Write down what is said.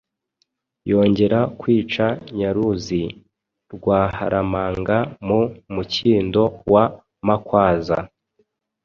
yongera kwica Nyaruzi Rwaharamanga mu mukindo wa Makwaza